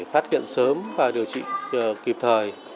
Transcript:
phát hiện sớm và điều trị kịp thời